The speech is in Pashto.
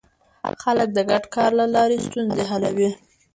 خلک د ګډ کار له لارې ستونزې حلوي